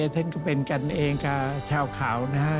ท่านก็เป็นกันเองกับชาวเขานะฮะ